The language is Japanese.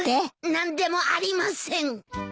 何でもありません。